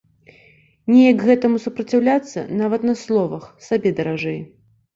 Неяк гэтаму супраціўляцца, нават на словах, сабе даражэй.